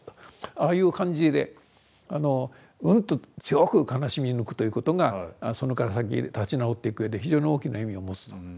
ああいう感じでうんと強く悲しみ抜くということがそこから先立ち直っていくうえで非常に大きな意味を持つと。